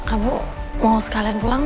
ibu mau sekalian pulang